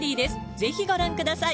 ぜひご覧ください